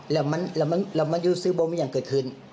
แล้วมันอยู่ซึบมิหยังเกิดขึ้น